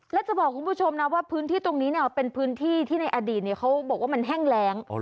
และจะบอกคุณผู้ชมนะว่าพื้นที่ตรงนี้เป็นพื้นที่ที่ในอดีตเขาบอกว่ามันแห้งแรง